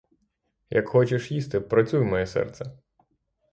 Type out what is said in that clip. Як хочеш їсти — працюй, моє серце.